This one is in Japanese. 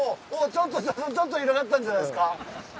ちょっと広がったんじゃないですか？